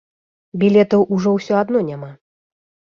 Білетаў ужо ўсё адно няма.